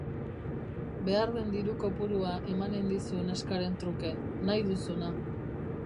Behar den diru kopurua emanen dizu neskaren truke, nahi duzuna.